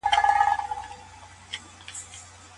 خپل ملګري به چاڼوي.